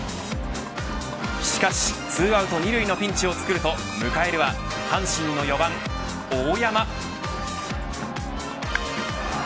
しかし２アウト二塁のピンチをつくると迎えるは阪神の４番大山。